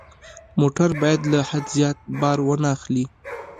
موټر باید له حد زیات بار وانه خلي.